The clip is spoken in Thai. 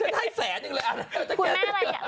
ฉันให้แสนจริงเลย